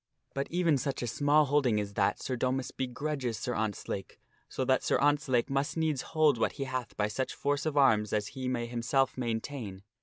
But even such a small holding as that Sir Domas begrudges Sir Ontzlake, so that Sir Ontzlake must needs hold what he hath by such force of arms as he may himself maintain.